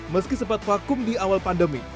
meski sempat vakum di awal pandemi